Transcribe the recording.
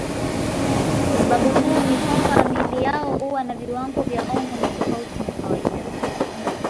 Sababu kuu ni kwamba miili yao huwa na viwango vya homoni tofauti na kawaida.